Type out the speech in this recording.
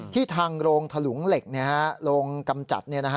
ทางโรงถลุงเหล็กโรงกำจัด